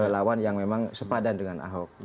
lawan yang memang sepadan dengan ahok